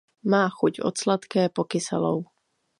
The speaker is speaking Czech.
Má chuť od sladké po kyselou.